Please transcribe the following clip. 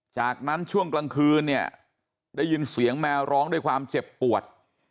จากนั้นช่วงกลางคืนเนี่ยได้ยินเสียงแมวร้องด้วยความเจ็บปวด